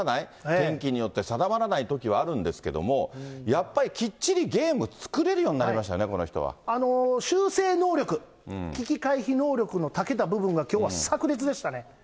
天気によって定まらないときはあるんですけれども、やっぱりきっちりゲーム作れるようになりましたよね、この人は。修正能力、危機回避能力のたけた部分がきょうはさく裂でしたね。